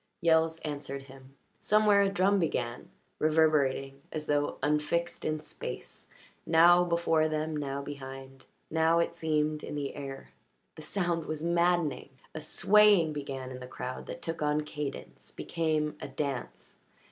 Yells answered him. Somewhere a drum began, reverberating as though unfixed in space; now before them, now behind; now, it seemed, in the air. The sound was maddening A swaying began in the crowd that took on cadence, became a dance.